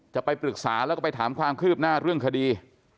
จะไปปรึกษาแล้วก็ไปถามความคืบหน้าเรื่องคดี